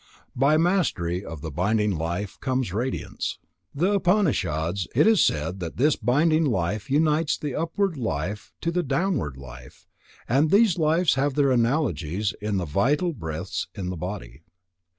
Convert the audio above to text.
By mastery of the binding life comes radiance. In the Upanishads, it is said that this binding life unites the upward life to the downward life, and these lives have their analogies in the "vital breaths" in the body.